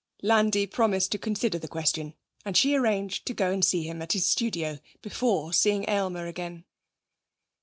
Landi promised to consider the question, and she arranged to go and see him at his studio before seeing Aylmer again.